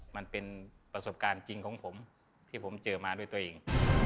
มันเป็นประสบการณ์จริงของผมที่ผมเจอมาด้วยตัวเอง